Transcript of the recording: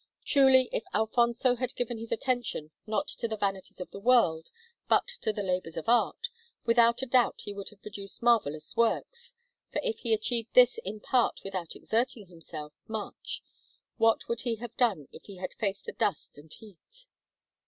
Truly, if Alfonso had given his attention not to the vanities of the world, but to the labours of art, without a doubt he would have produced marvellous works; for if he achieved this in part without exerting himself much, what would he have done if he had faced the dust and heat?